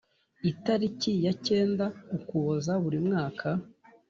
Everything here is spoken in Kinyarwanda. Itariki ya cyenda Ukuboza buri mwaka,